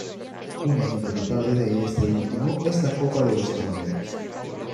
Un ejemplo notable de este último es la Copa de los Ptolomeos.